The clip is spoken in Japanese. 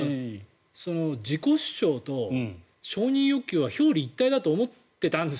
自己主張と承認欲求は表裏一体だと思っていたんです。